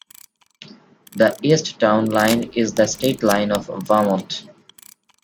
The east town line is the state line of Vermont.